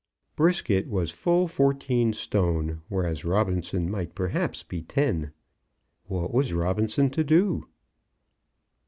Brisket was full fourteen stone, whereas Robinson might perhaps be ten. What was Robinson to do?